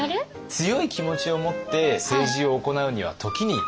強い気持ちを持って政治を行うには時に聞き流す。